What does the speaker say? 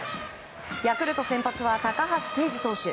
ヤクルト先発は高橋奎二投手。